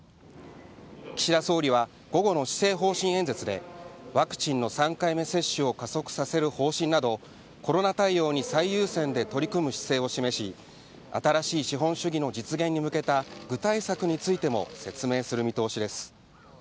岸田総理は午後の施政方針演説で、ワクチンの３回目接種を加速させる方針など、コロナ対応に最優先で取り組む姿勢を示し、新しい資本主義の実現に向けた具体策についても説明する見通しです。